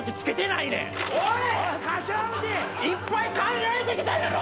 いっぱい考えてきたんやろ？